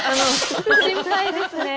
心配ですね。